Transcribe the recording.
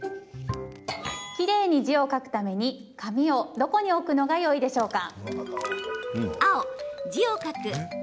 きれいに字を書くために紙をどこに置くのがよいでしょうか？